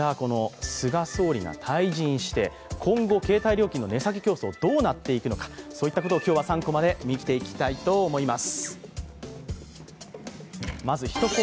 そんな中で、菅総理が退陣して今後携帯料金の値下げ競争はどうなっていくのか、そういったことを３コマで見ていきたいと思います。